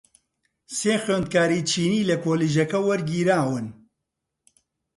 سێ خوێندکاری چینی لە کۆلیژەکە وەرگیراون.